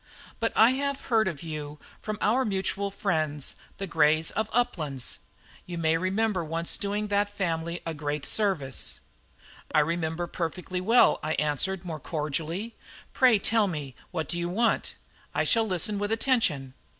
"But I have heard of you from our mutual friends, the Greys of Uplands. You may remember once doing that family a great service." "I remember perfectly well," I answered more cordially. "Pray tell me what you want; I shall listen with attention."